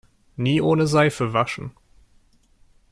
Nie ohne Seife waschen!